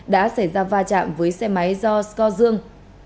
đã xảy ra va chạm với xe máy do scot dương